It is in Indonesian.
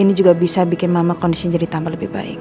ini juga bisa bikin mama kondisi jadi tambah lebih baik